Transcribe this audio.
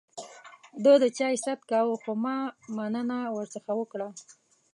ده د چای ست کاوه ، خو ما مننه ورڅخه وکړه.